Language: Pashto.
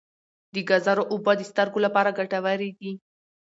د ګازرو اوبه د سترګو لپاره ګټورې دي.